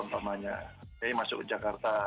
yang pertama nya jadi masuk ke jakarta